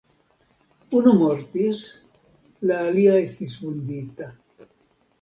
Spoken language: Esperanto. Unu mortis, la alia estis vundita.